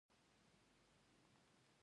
ایا ستاسو اواز خوږ دی؟